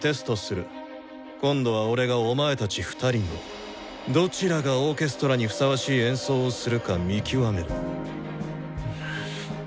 今度は俺がお前たち２人のどちらがオーケストラにふさわしい演奏をするか見極める。